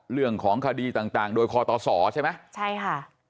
เรื่องของคดีต่างต่างโดยคอตสใช่ไหมใช่ค่ะ